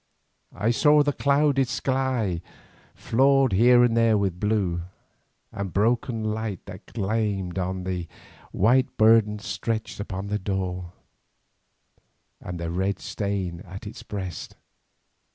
I saw the clouded sky flawed here and there with blue, and the broken light that gleamed on the white burden stretched upon the door, and the red stain at its breast.